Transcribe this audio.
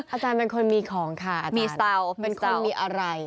อาจารย์เป็นคนมีของค่ะมีเตาเป็นคนมีอะไร